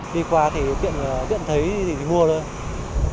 đi qua thì tiện thấy thì mua thôi